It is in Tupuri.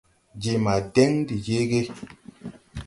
Je ma dɛŋ de jeege.